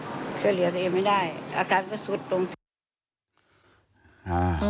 ช่วยเหลือเอ็มไม่ได้อาการก็สุดตรงที่